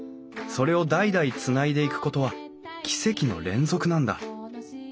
それを代々つないでいくことは奇跡の連続なんだ。